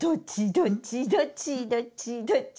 「どっちどっちどっちどっち」